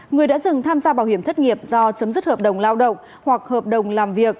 người đã dừng tham gia bảo hiểm thất nghiệp do chấm dứt hợp đồng lao động hoặc hợp đồng làm việc